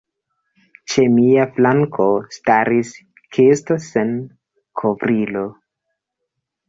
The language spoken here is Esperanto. Ĉe mia flanko staris kesto sen kovrilo.